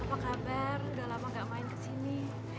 apa kabar udah lama gak main kesini